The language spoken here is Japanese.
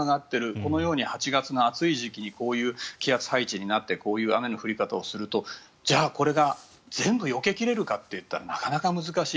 こういう８月の暑い時期にこういう気圧配置になってこういう雨の降り方をするとこれが全部よけ切れるかと言ったらなかなか難しい。